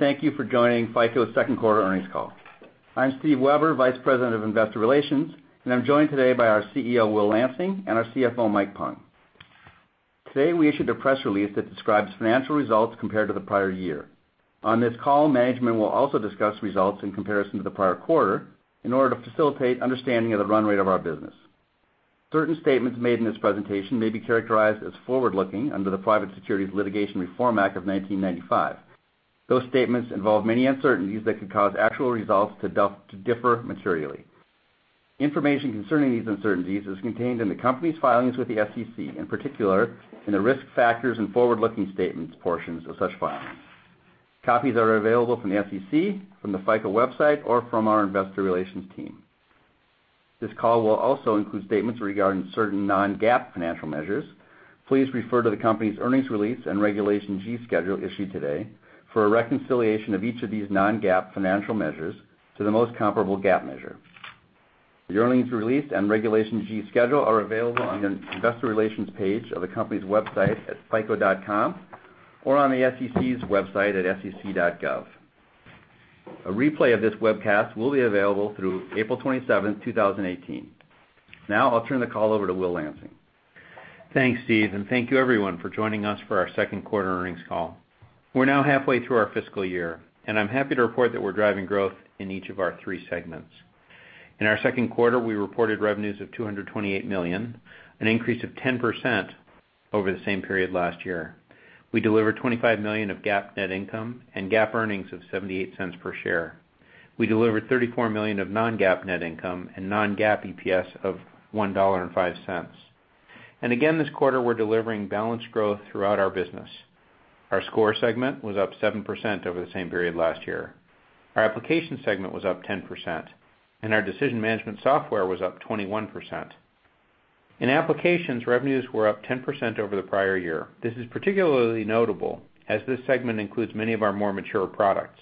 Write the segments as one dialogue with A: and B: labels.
A: Thank you for joining FICO's second quarter earnings call. I'm Steve Weber, Vice President of Investor Relations, and I'm joined today by our CEO, Will Lansing, and our CFO, Mike Pung. Today, we issued a press release that describes financial results compared to the prior year. On this call, management will also discuss results in comparison to the prior quarter in order to facilitate understanding of the run rate of our business. Certain statements made in this presentation may be characterized as forward-looking under the Private Securities Litigation Reform Act of 1995. Those statements involve many uncertainties that could cause actual results to differ materially. Information concerning these uncertainties is contained in the company's filings with the SEC, in particular in the risk factors and forward-looking statements portions of such filings. Copies are available from the SEC, from the FICO website, or from our investor relations team. This call will also include statements regarding certain non-GAAP financial measures. Please refer to the company's earnings release and Regulation G schedule issued today for a reconciliation of each of these non-GAAP financial measures to the most comparable GAAP measure. The earnings release and Regulation G schedule are available on the investor relations page of the company's website at fico.com or on the SEC's website at sec.gov. A replay of this webcast will be available through April 27th, 2018. Now, I'll turn the call over to Will Lansing.
B: Thanks, Steve, and thank you everyone for joining us for our second quarter earnings call. We're now halfway through our fiscal year, and I'm happy to report that we're driving growth in each of our three segments. In our second quarter, we reported revenues of $228 million, an increase of 10% over the same period last year. We delivered $25 million of GAAP net income and GAAP earnings of $0.78 per share. We delivered $34 million of non-GAAP net income and non-GAAP EPS of $1.05. Again, this quarter, we're delivering balanced growth throughout our business. Our Scores segment was up 7% over the same period last year. Our Applications segment was up 10%, and our Decision Management Software was up 21%. In Applications, revenues were up 10% over the prior year. This is particularly notable as this segment includes many of our more mature products.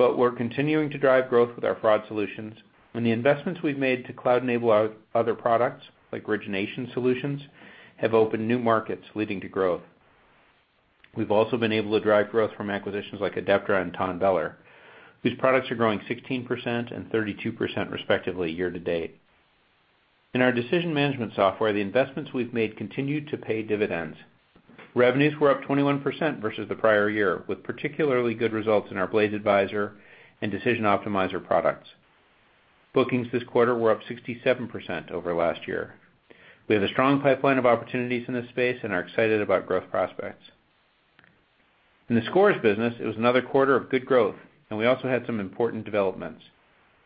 B: We're continuing to drive growth with our fraud solutions. And the investments we've made to cloud-enable other products, like FICO Origination Manager, have opened new markets, leading to growth. We've also been able to drive growth from acquisitions like Adeptra and TONBELLER, whose products are growing 16% and 32%, respectively, year to date. In our Decision Management Software, the investments we've made continued to pay dividends. Revenues were up 21% versus the prior year, with particularly good results in our Blaze Advisor and Decision Optimizer products. Bookings this quarter were up 67% over last year. We have a strong pipeline of opportunities in this space and are excited about growth prospects. In the Scores business, it was another quarter of good growth, and we also had some important developments.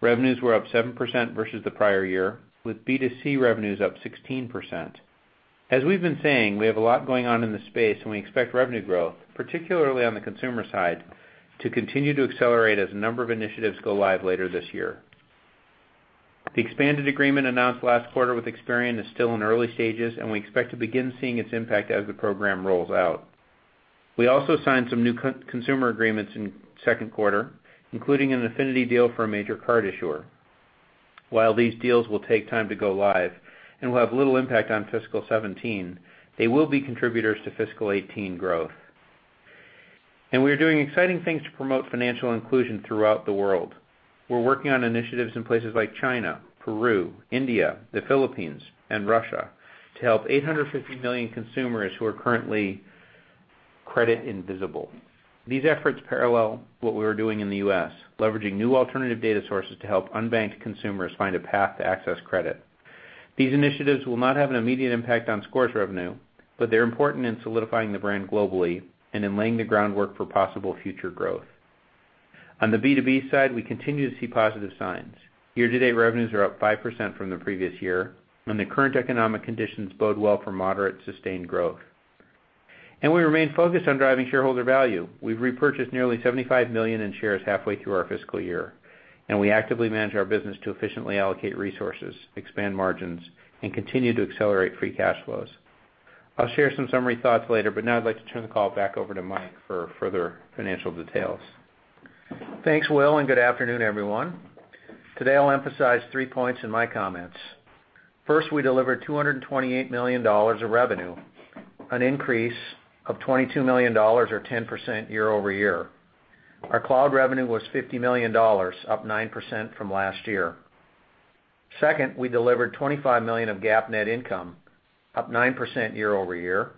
B: Revenues were up 7% versus the prior year, with B2C revenues up 16%. As we've been saying, we have a lot going on in this space, and we expect revenue growth, particularly on the consumer side, to continue to accelerate as a number of initiatives go live later this year. The expanded agreement announced last quarter with Experian is still in early stages, and we expect to begin seeing its impact as the program rolls out. We also signed some new consumer agreements in second quarter, including an affinity deal for a major card issuer. While these deals will take time to go live and will have little impact on fiscal 2017, they will be contributors to fiscal 2018 growth. We are doing exciting things to promote financial inclusion throughout the world. We're working on initiatives in places like China, Peru, India, the Philippines, and Russia to help 850 million consumers who are currently credit invisible. These efforts parallel what we are doing in the U.S., leveraging new alternative data sources to help unbanked consumers find a path to access credit. These initiatives will not have an immediate impact on scores revenue, but they're important in solidifying the brand globally and in laying the groundwork for possible future growth. On the B2B side, we continue to see positive signs. Year-to-date revenues are up 5% from the previous year, and the current economic conditions bode well for moderate, sustained growth. We remain focused on driving shareholder value. We've repurchased nearly $75 million in shares halfway through our fiscal year, and we actively manage our business to efficiently allocate resources, expand margins, and continue to accelerate free cash flows. I'll share some summary thoughts later, but now I'd like to turn the call back over to Mike for further financial details.
A: Thanks, Will, and good afternoon, everyone. Today, I'll emphasize three points in my comments. First, we delivered $228 million of revenue, an increase of $22 million or 10% year-over-year. Our cloud revenue was $50 million, up 9% from last year. Second, we delivered $25 million of GAAP net income, up 9% year-over-year.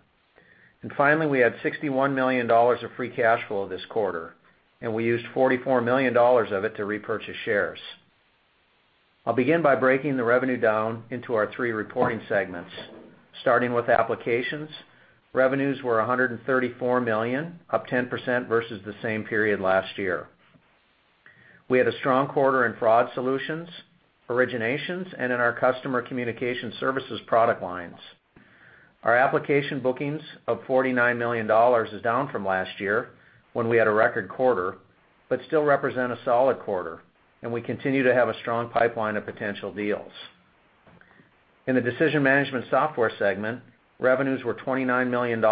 A: Finally, we had $61 million of free cash flow this quarter, and we used $44 million of it to repurchase shares. I'll begin by breaking the revenue down into our three reporting segments. Starting with Applications, revenues were $134 million, up 10% versus the same period last year. We had a strong quarter in fraud solutions, originations, and in our Customer Communication Services product lines. Our Applications bookings of $49 million is down from last year, when we had a record quarter, but still represent a solid quarter, and we continue to have a strong pipeline of potential deals. In the Decision Management Software segment, revenues were $29 million,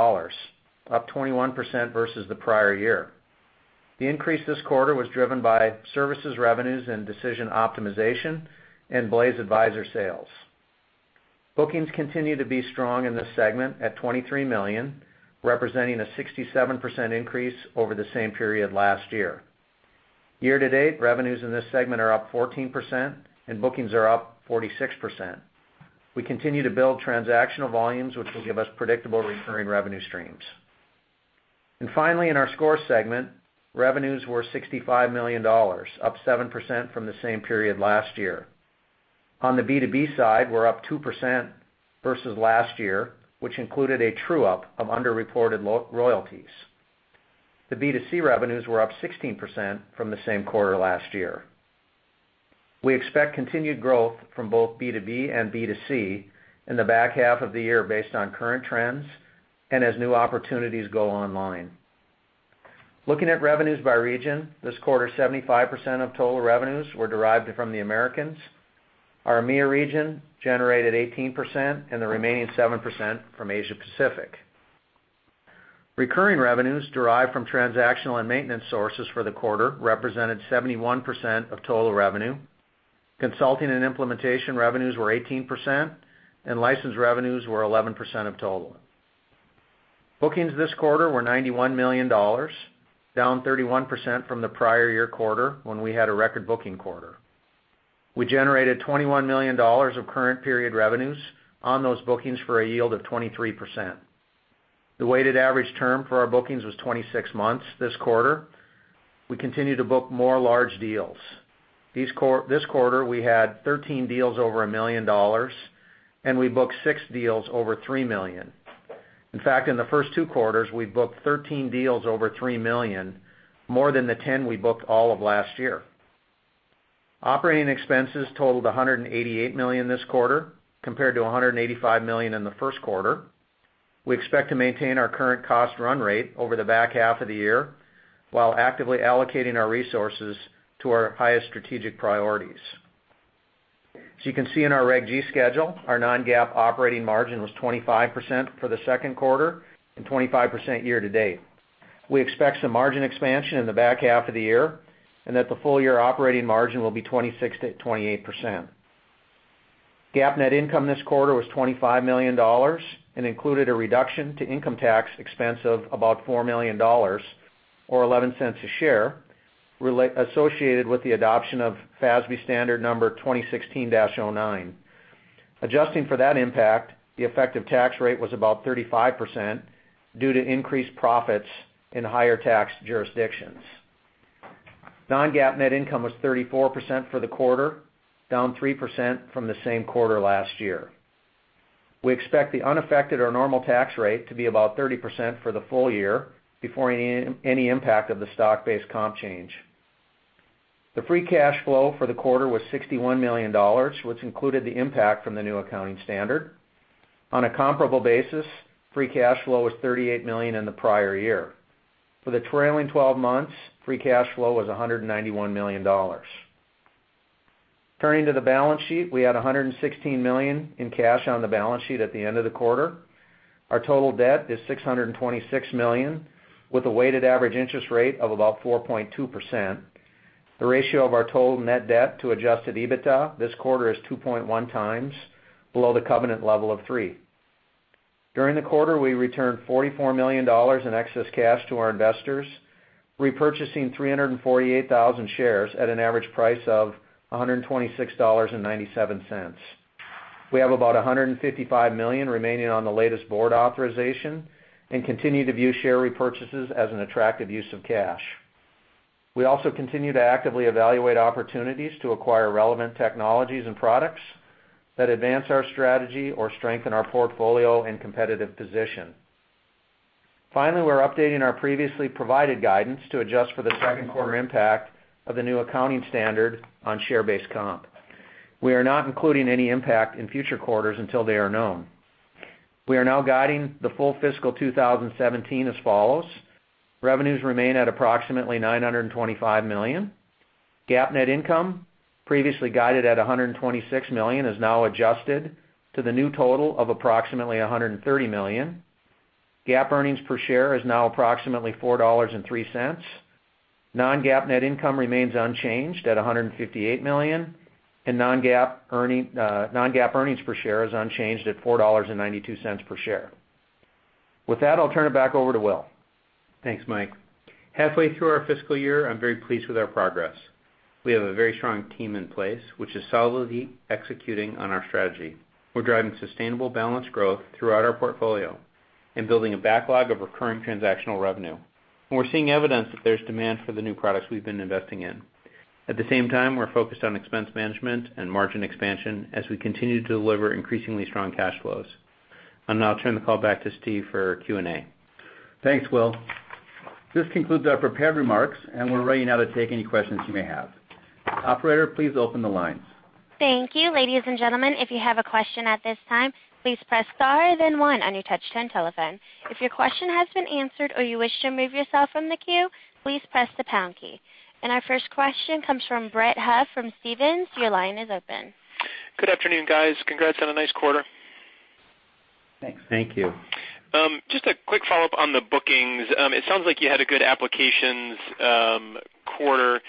A: up 21% versus the prior year. The increase this quarter was driven by services revenues and FICO Decision Optimizer and FICO Blaze Advisor sales.
C: Bookings continue to be strong in this segment at $23 million, representing a 67% increase over the same period last year. Year-to-date, revenues in this segment are up 14%, and bookings are up 46%. We continue to build transactional volumes, which will give us predictable recurring revenue streams. Finally, in our Score segment, revenues were $65 million, up 7% from the same period last year. On the B2B side, we're up 2% versus last year, which included a true-up of under-reported royalties. The B2C revenues were up 16% from the same quarter last year. We expect continued growth from both B2B and B2C in the back half of the year based on current trends and as new opportunities go online. Looking at revenues by region this quarter, 75% of total revenues were derived from the Americas. Our EMEA region generated 18%, and the remaining 7% from Asia Pacific. Recurring revenues derived from transactional and maintenance sources for the quarter represented 71% of total revenue. Consulting and implementation revenues were 18%, and license revenues were 11% of total. Bookings this quarter were $91 million, down 31% from the prior year quarter when we had a record booking quarter. We generated $21 million of current period revenues on those bookings for a yield of 23%. The weighted average term for our bookings was 26 months this quarter. We continue to book more large deals. This quarter, we had 13 deals over $1 million, and we booked six deals over $3 million. In fact, in the first two quarters, we've booked 13 deals over $3 million, more than the 10 we booked all of last year. Operating expenses totaled $188 million this quarter, compared to $185 million in the first quarter. We expect to maintain our current cost run rate over the back half of the year, while actively allocating our resources to our highest strategic priorities. You can see in our Reg G schedule, our non-GAAP operating margin was 25% for the second quarter and 25% year-to-date. We expect some margin expansion in the back half of the year, and that the full-year operating margin will be 26%-28%. GAAP net income this quarter was $25 million and included a reduction to income tax expense of about $4 million, or $0.11 a share, associated with the adoption of ASU 2016-09. Adjusting for that impact, the effective tax rate was about 35% due to increased profits in higher tax jurisdictions. Non-GAAP net income was $34 million for the quarter, down 3% from the same quarter last year. We expect the unaffected or normal tax rate to be about 30% for the full year before any impact of the stock-based comp change. The free cash flow for the quarter was $61 million, which included the impact from the new accounting standard. On a comparable basis, free cash flow was $38 million in the prior year. For the trailing 12 months, free cash flow was $191 million. Turning to the balance sheet, we had $116 million in cash on the balance sheet at the end of the quarter. Our total debt is $626 million, with a weighted average interest rate of about 4.2%. The ratio of our total net debt to adjusted EBITDA this quarter is 2.1 times, below the covenant level of 3. During the quarter, we returned $44 million in excess cash to our investors, repurchasing 348,000 shares at an average price of $126.97. We have about $155 million remaining on the latest board authorization and continue to view share repurchases as an attractive use of cash. We also continue to actively evaluate opportunities to acquire relevant technologies and products that advance our strategy or strengthen our portfolio and competitive position. Finally, we're updating our previously provided guidance to adjust for the second quarter impact of the new accounting standard on share-based comp. We are not including any impact in future quarters until they are known. We are now guiding the full fiscal 2017 as follows. Revenues remain at approximately $925 million. GAAP net income, previously guided at $126 million, is now adjusted to the new total of approximately $130 million. GAAP earnings per share is now approximately $4.03. Non-GAAP net income remains unchanged at $158 million, and non-GAAP earnings per share is unchanged at $4.92 per share. With that, I'll turn it back over to Will.
B: Thanks, Mike. Halfway through our fiscal year, I'm very pleased with our progress. We have a very strong team in place, which is solidly executing on our strategy. We're driving sustainable balanced growth throughout our portfolio and building a backlog of recurring transactional revenue. We're seeing evidence that there's demand for the new products we've been investing in. At the same time, we're focused on expense management and margin expansion as we continue to deliver increasingly strong cash flows. I'll now turn the call back to Steve for Q&A.
A: Thanks, Will. This concludes our prepared remarks. We're ready now to take any questions you may have. Operator, please open the lines.
D: Thank you. Ladies and gentlemen, if you have a question at this time, please press star then one on your touch-tone telephone. If your question has been answered or you wish to remove yourself from the queue, please press the pound key. Our first question comes from Brett Huff from Stephens. Your line is open.
E: Good afternoon, guys. Congrats on a nice quarter.
C: Thanks.
B: Thank you.
E: Just a quick follow-up on the bookings. It sounds like you had a good applications quarter.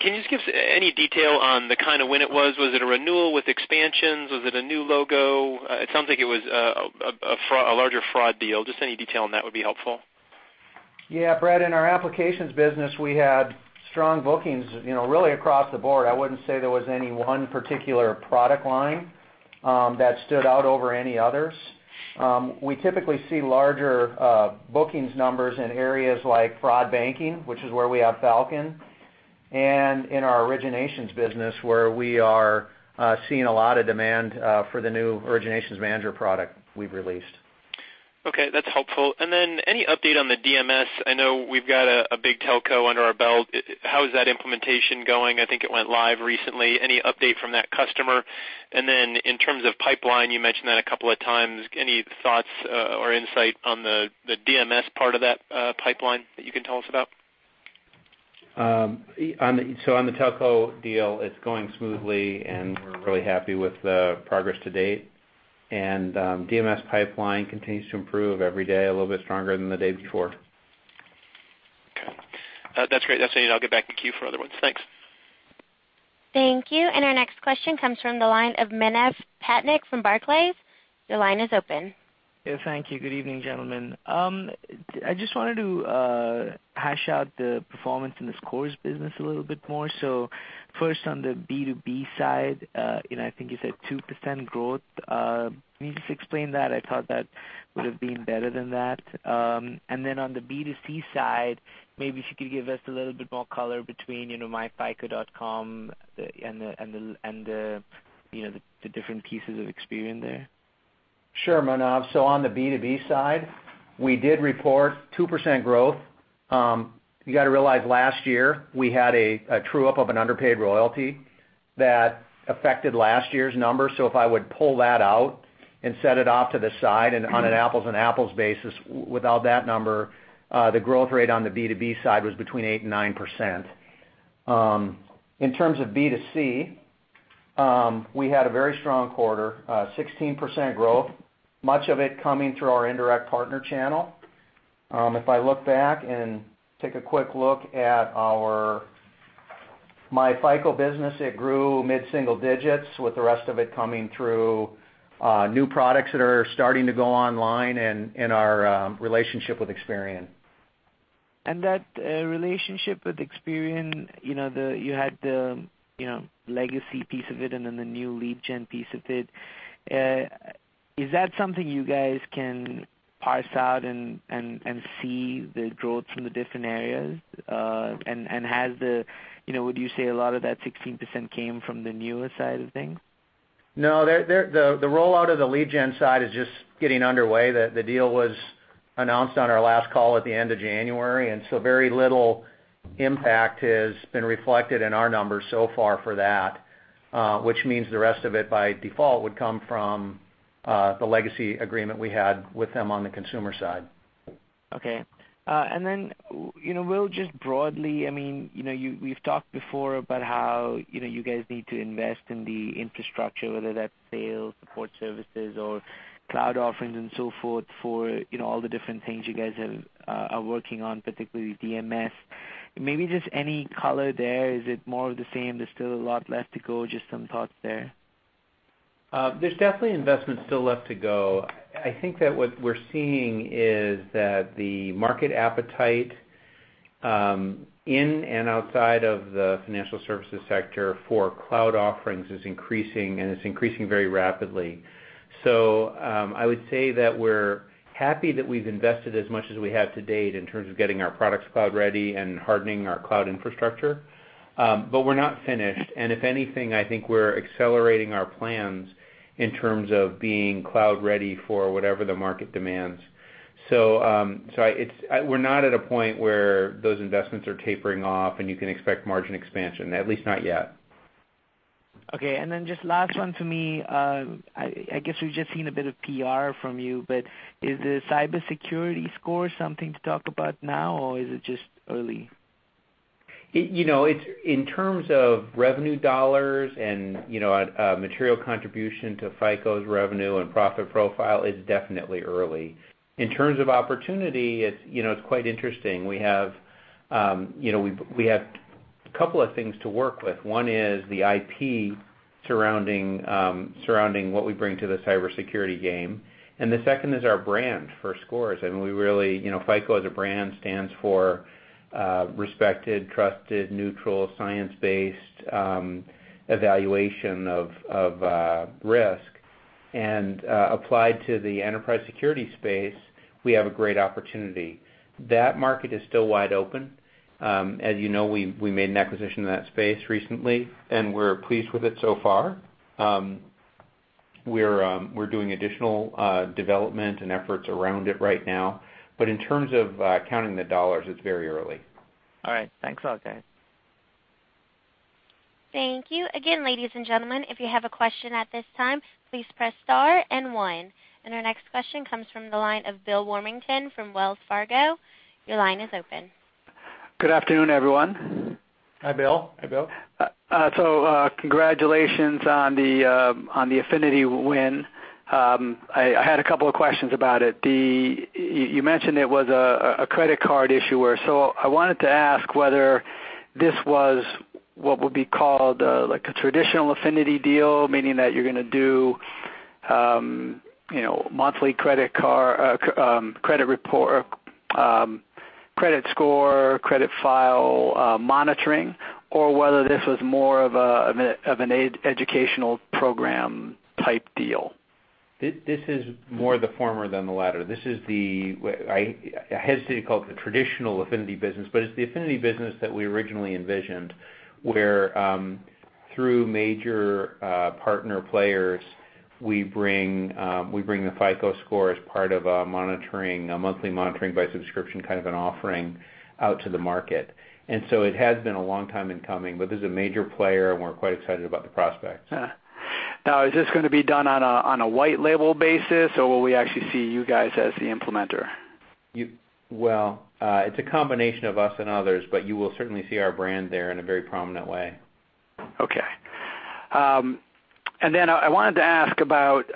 E: Can you just give us any detail on the kind of win it was? Was it a renewal with expansions? Was it a new logo? It sounds like it was a larger fraud deal. Just any detail on that would be helpful.
C: Yeah, Brett, in our applications business, we had strong bookings really across the board. I wouldn't say there was any one particular product line that stood out over any others. We typically see larger bookings numbers in areas like fraud banking, which is where we have Falcon, and in our originations business, where we are seeing a lot of demand for the new Origination Manager product we've released.
E: That's helpful. Any update on the DMS? I know we've got a big telco under our belt. How is that implementation going? I think it went live recently. Any update from that customer? In terms of pipeline, you mentioned that a couple of times. Any thoughts or insight on the DMS part of that pipeline that you can tell us about?
B: On the telco deal, it's going smoothly and we're really happy with the progress to date. DMS pipeline continues to improve every day, a little bit stronger than the day before.
E: That's great. That's it. I'll get back in queue for other ones. Thanks.
D: Thank you. Our next question comes from the line of Manav Patnaik from Barclays. Your line is open.
F: Yeah, thank you. Good evening, gentlemen. I just wanted to hash out the performance in the Scores business a little bit more. First, on the B2B side, I think you said 2% growth. Can you just explain that? I thought that would have been better than that. Then on the B2C side, maybe if you could give us a little bit more color between myfico.com and the different pieces of Experian there.
C: Sure, Manav. On the B2B side, we did report 2% growth. You got to realize last year we had a true-up of an underpaid royalty that affected last year's number. If I would pull that out and set it off to the side and on an apples-and-apples basis without that number, the growth rate on the B2B side was between 8% and 9%. In terms of B2C, we had a very strong quarter, 16% growth, much of it coming through our indirect partner channel. If I look back and take a quick look at our myFICO business, it grew mid-single digits with the rest of it coming through new products that are starting to go online and our relationship with Experian.
F: That relationship with Experian, you had the legacy piece of it and then the new lead gen piece of it. Is that something you guys can parse out and see the growth from the different areas? Would you say a lot of that 16% came from the newer side of things?
C: No, the rollout of the lead gen side is just getting underway. The deal was announced on our last call at the end of January, very little impact has been reflected in our numbers so far for that, which means the rest of it by default would come from the legacy agreement we had with them on the consumer side.
F: Okay. Will, just broadly, we've talked before about how you guys need to invest in the infrastructure, whether that's sales, support services, or cloud offerings and so forth for all the different things you guys are working on, particularly DMS. Maybe just any color there. Is it more of the same? There's still a lot left to go. Just some thoughts there.
B: There's definitely investment still left to go. I think that what we're seeing is that the market appetite, in and outside of the financial services sector for cloud offerings is increasing, and it's increasing very rapidly. I would say that we're happy that we've invested as much as we have to date in terms of getting our products cloud-ready and hardening our cloud infrastructure. We're not finished, and if anything, I think we're accelerating our plans in terms of being cloud-ready for whatever the market demands. We're not at a point where those investments are tapering off and you can expect margin expansion, at least not yet.
F: Okay. Just last one for me. I guess we've just seen a bit of PR from you, but is the cybersecurity score something to talk about now, or is it just early?
B: In terms of revenue dollars and a material contribution to FICO's revenue and profit profile, it's definitely early. In terms of opportunity, it's quite interesting. We have a couple of things to work with. One is the IP surrounding what we bring to the cybersecurity game, and the second is our brand for Scores. FICO as a brand stands for respected, trusted, neutral, science-based evaluation of risk. applied to the enterprise security space, we have a great opportunity. That market is still wide open. As you know, we made an acquisition in that space recently, and we're pleased with it so far. We're doing additional development and efforts around it right now. In terms of counting the dollars, it's very early.
F: All right. Thanks a lot, guys.
D: Thank you. Again, ladies and gentlemen, if you have a question at this time, please press star and one. Our next question comes from the line of Bill Warmington from Wells Fargo. Your line is open.
G: Good afternoon, everyone.
C: Hi, Bill.
B: Hi, Bill.
G: Congratulations on the affinity win. I had a couple of questions about it. You mentioned it was a credit card issuer, I wanted to ask whether this was what would be called a traditional affinity deal, meaning that you're going to do monthly credit score, credit file monitoring, or whether this was more of an educational program type deal.
B: This is more the former than the latter. This is the, I hesitate to call it the traditional affinity business, but it's the affinity business that we originally envisioned, where through major partner players, we bring the FICO Score as part of a monthly monitoring by subscription kind of an offering out to the market. It has been a long time in coming, but this is a major player and we're quite excited about the prospects.
G: Is this going to be done on a white label basis or will we actually see you guys as the implementer?
B: It's a combination of us and others, but you will certainly see our brand there in a very prominent way.
G: Okay. I wanted to ask about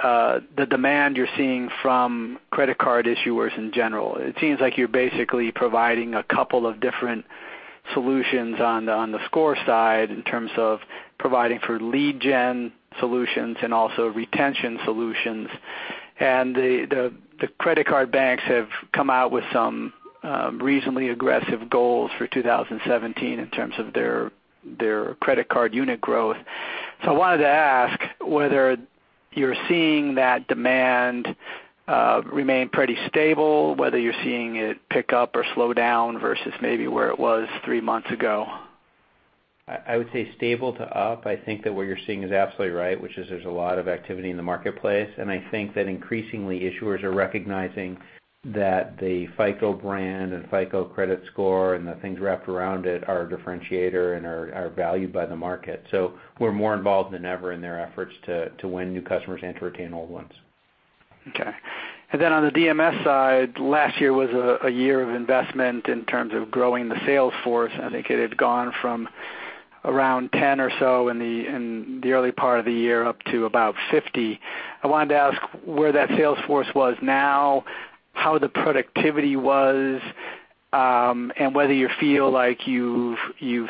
G: the demand you're seeing from credit card issuers in general. It seems like you're basically providing a couple of different solutions on the score side in terms of providing for lead gen solutions and also retention solutions. The credit card banks have come out with some reasonably aggressive goals for 2017 in terms of their credit card unit growth. I wanted to ask whether you're seeing that demand remain pretty stable, whether you're seeing it pick up or slow down versus maybe where it was three months ago.
B: I would say stable to up. I think that what you're seeing is absolutely right, which is there's a lot of activity in the marketplace, and I think that increasingly issuers are recognizing that the FICO brand and FICO credit score and the things wrapped around it are a differentiator and are valued by the market. We're more involved than ever in their efforts to win new customers and to retain old ones.
G: Okay. On the DMS side, last year was a year of investment in terms of growing the sales force. I think it had gone from around 10 or so in the early part of the year up to about 50. I wanted to ask where that sales force was now, how the productivity was, and whether you feel like you've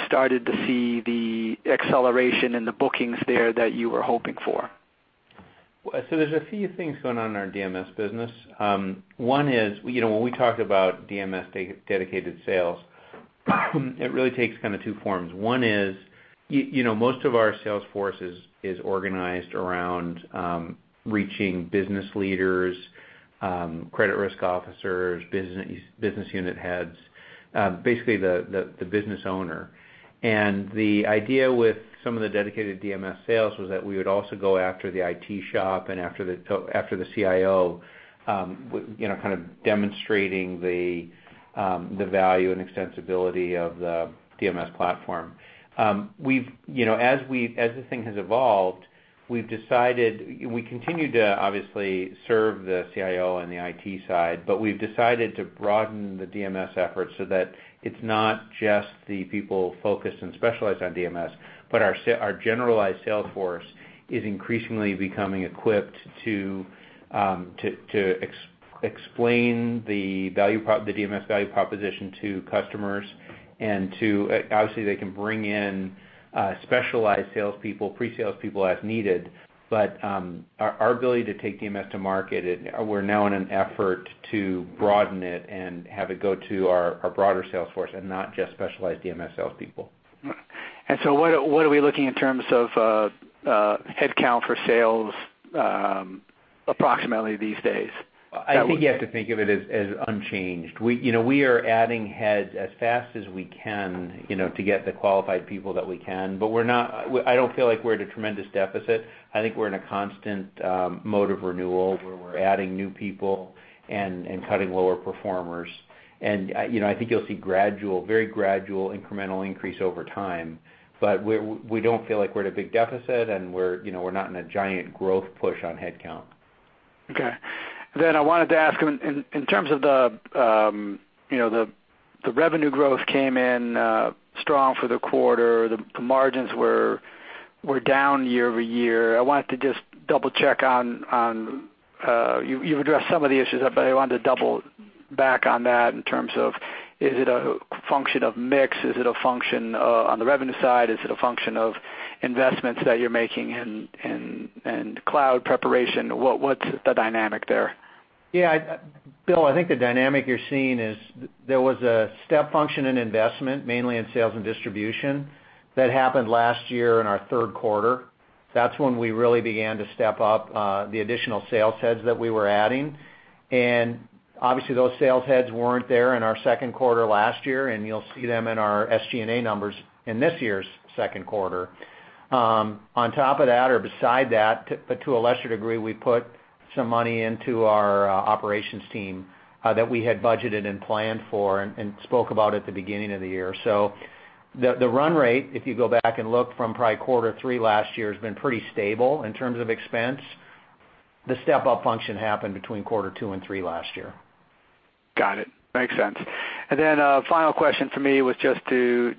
G: started to see the acceleration in the bookings there that you were hoping for?
B: There's a few things going on in our DMS business. One is when we talk about DMS dedicated sales, it really takes kind of two forms. One is most of our sales force is organized around reaching business leaders, credit risk officers, business unit heads, basically the business owner. The idea with some of the dedicated DMS sales was that we would also go after the IT shop and after the CIO, kind of demonstrating the value and extensibility of the DMS platform. As the thing has evolved, we continue to obviously serve the CIO and the IT side, but we've decided to broaden the DMS efforts so that it's not just the people focused and specialized on DMS, but our generalized sales force is increasingly becoming equipped to explain the DMS value proposition to customers and to, obviously, they can bring in specialized sales people, pre-sales people as needed. Our ability to take DMS to market, we're now in an effort to broaden it and have it go to our broader sales force and not just specialized DMS sales people.
G: What are we looking in terms of headcount for sales approximately these days?
B: I think you have to think of it as unchanged. We are adding heads as fast as we can to get the qualified people that we can, but I don't feel like we're at a tremendous deficit. I think we're in a constant mode of renewal where we're adding new people and cutting lower performers. I think you'll see very gradual incremental increase over time. We don't feel like we're at a big deficit and we're not in a giant growth push on headcount.
G: Okay. I wanted to ask in terms of the revenue growth came in strong for the quarter, the margins were down year-over-year. I wanted to just double check on, you've addressed some of the issues, I wanted to double back on that in terms of, is it a function of mix? Is it a function on the revenue side? Is it a function of investments that you're making in cloud preparation? What's the dynamic there?
C: Bill, I think the dynamic you're seeing is there was a step function in investment, mainly in sales and distribution that happened last year in our third quarter. That's when we really began to step up the additional sales heads that we were adding. Obviously those sales heads weren't there in our second quarter last year, and you'll see them in our SG&A numbers in this year's second quarter. On top of that or beside that, to a lesser degree, we put some money into our operations team that we had budgeted and planned for and spoke about at the beginning of the year. The run rate, if you go back and look from probably quarter three last year, has been pretty stable in terms of expense. The step-up function happened between quarter two and three last year.
G: Got it. Makes sense. A final question for me was just to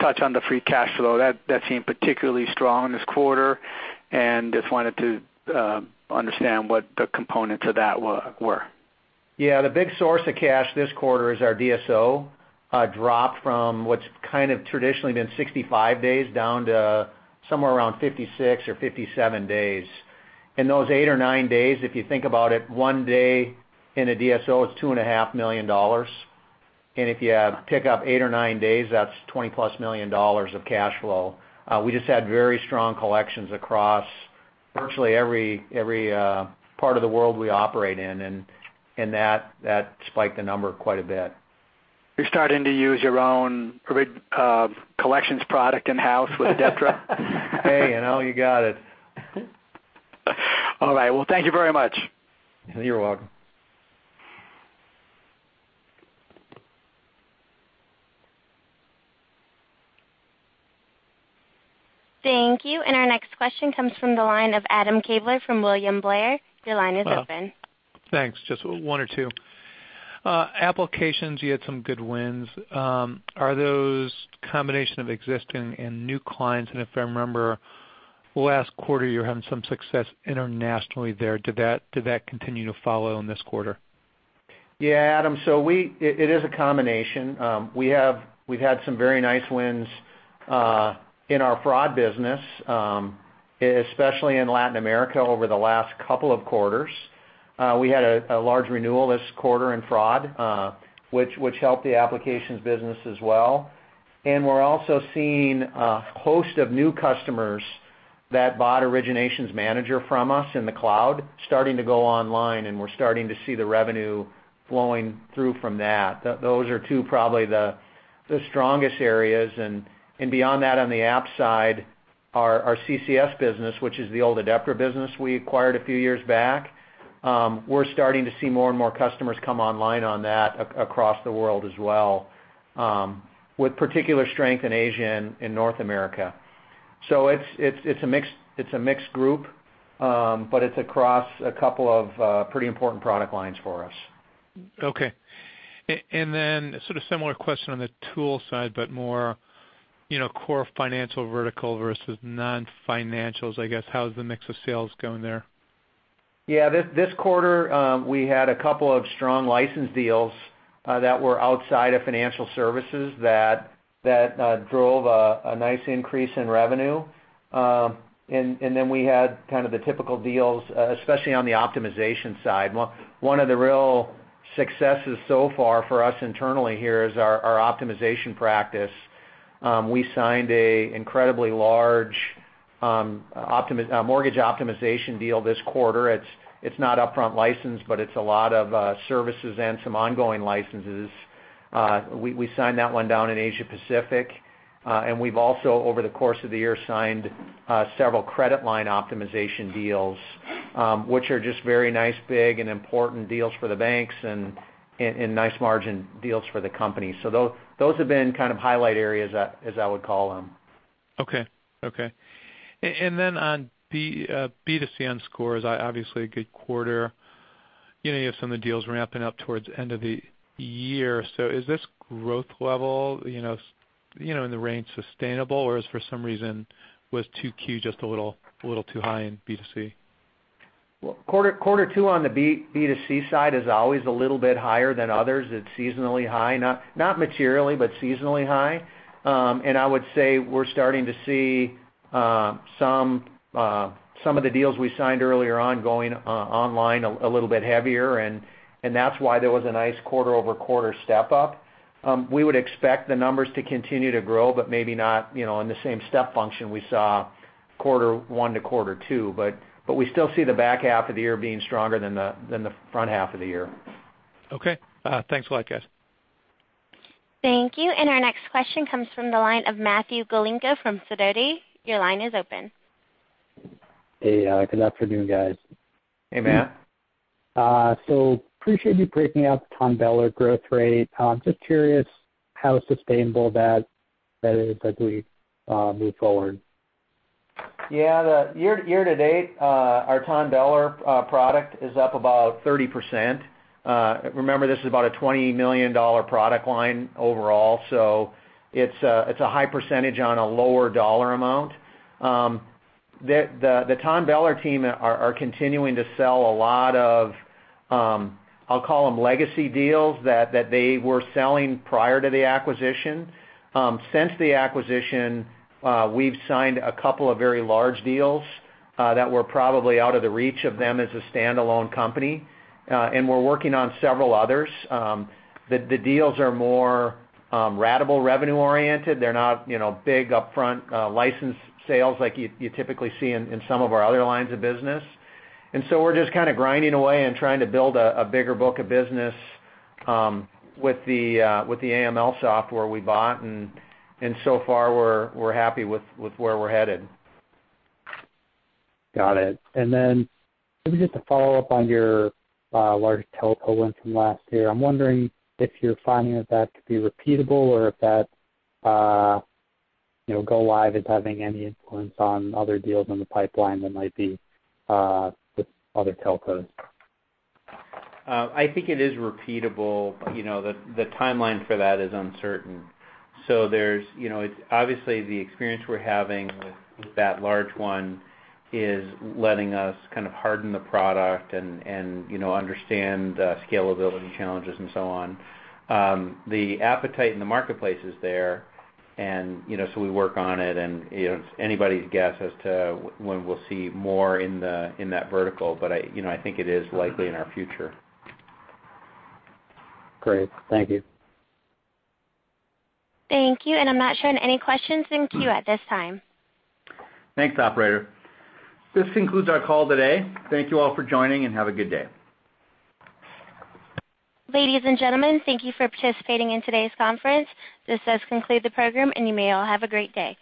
G: touch on the free cash flow. That seemed particularly strong this quarter, just wanted to understand what the components of that were.
C: The big source of cash this quarter is our DSO dropped from what's kind of traditionally been 65 days down to somewhere around 56 or 57 days. Those eight or nine days, if you think about it, one day in a DSO is $2.5 million. If you pick up eight or nine days, that's $20-plus million of cash flow. We just had very strong collections across virtually every part of the world we operate in, and that spiked the number quite a bit.
G: You're starting to use your own collections product in-house with Adeptra?
C: Hey, you know, you got it.
G: All right. Well, thank you very much.
C: You're welcome.
D: Thank you. Our next question comes from the line of Adam Klauber from William Blair. Your line is open.
H: Thanks. Just one or two. Applications, you had some good wins. Are those a combination of existing and new clients? If I remember last quarter, you were having some success internationally there. Did that continue to follow in this quarter?
C: Yeah, Adam, it is a combination. We've had some very nice wins in our fraud business, especially in Latin America over the last couple of quarters. We had a large renewal this quarter in fraud, which helped the applications business as well. We're also seeing a host of new customers that bought Originations Manager from us in the cloud starting to go online, and we're starting to see the revenue flowing through from that. Those are two, probably the strongest areas. Beyond that, on the App side, our CCS business, which is the old Adeptra business we acquired a few years back, we're starting to see more and more customers come online on that across the world as well, with particular strength in Asia and North America. It's a mixed group, but it's across a couple of pretty important product lines for us.
H: Okay. Then sort of similar question on the tool side, but more core financial vertical versus non-financials, I guess. How is the mix of sales going there?
C: Yeah. This quarter, we had a couple of strong license deals that were outside of financial services that drove a nice increase in revenue. Then we had kind of the typical deals, especially on the optimization side. One of the real successes so far for us internally here is our optimization practice. We signed an incredibly large mortgage optimization deal this quarter. It is not upfront license, but it is a lot of services and some ongoing licenses. We signed that one down in Asia Pacific. We have also, over the course of the year, signed several credit line optimization deals, which are just very nice, big, and important deals for the banks and nice margin deals for the company. Those have been kind of highlight areas, as I would call them.
H: Okay. Then on B2C and scores, obviously a good quarter. You have some of the deals ramping up towards the end of the year. Is this growth level in the range sustainable, or is for some reason was 2Q just a little too high in B2C?
C: Well, quarter two on the B2C side is always a little bit higher than others. It is seasonally high, not materially, but seasonally high. I would say we are starting to see some of the deals we signed earlier on going online a little bit heavier, and that is why there was a nice quarter-over-quarter step up. We would expect the numbers to continue to grow, but maybe not in the same step function we saw quarter one to quarter two. We still see the back half of the year being stronger than the front half of the year.
H: Okay. Thanks a lot, guys.
D: Thank you. Our next question comes from the line of Matthew Galinko from Sidoti. Your line is open.
I: Hey. Good afternoon, guys.
C: Hey, Matt.
I: Appreciate you breaking out the TONBELLER growth rate. Just curious how sustainable that is as we move forward.
C: The year to date, our TONBELLER product is up about 30%. Remember, this is about a $20 million product line overall, so it's a high percentage on a lower dollar amount. The TONBELLER team are continuing to sell a lot of, I'll call them legacy deals that they were selling prior to the acquisition. Since the acquisition, we've signed a couple of very large deals that were probably out of the reach of them as a standalone company. We're working on several others. The deals are more ratable revenue oriented. They're not big upfront license sales like you typically see in some of our other lines of business. We're just kind of grinding away and trying to build a bigger book of business with the AML software we bought, and so far we're happy with where we're headed.
I: Got it. Maybe just to follow up on your large telco win from last year. I'm wondering if you're finding that that could be repeatable or if that go live is having any influence on other deals in the pipeline that might be with other telcos.
C: I think it is repeatable. The timeline for that is uncertain. Obviously, the experience we're having with that large one is letting us kind of harden the product and understand the scalability challenges and so on. The appetite in the marketplace is there, we work on it, and it's anybody's guess as to when we'll see more in that vertical. I think it is likely in our future.
I: Great. Thank you.
D: Thank you. I'm not showing any questions in queue at this time.
C: Thanks, operator. This concludes our call today. Thank you all for joining, and have a good day.
D: Ladies and gentlemen, thank you for participating in today's conference. This does conclude the program, and you may all have a great day.